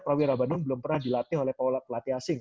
prawira bandung belum pernah dilatih oleh pelatih asing